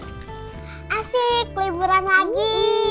asik liburan lagi